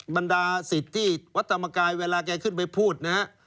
วัดธรรมกายเวลาแกขึ้นไปพูดนะครับ